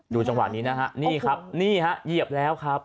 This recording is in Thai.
ดูจังหวะนี้นะครับนี่ครับเหยียบแล้วครับ